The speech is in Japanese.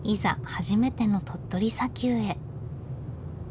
初めての鳥取砂丘へ。